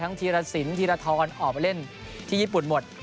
ธีรสินธีรทรออกไปเล่นที่ญี่ปุ่นหมด